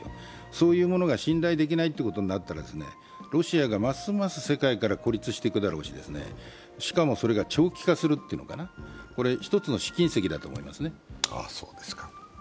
そういうものが信頼できないということになったら、ロシアがますます世界から孤立していくだろうし、しかもそれが長期化するというのかな、これは１つの試金石だと思いますね。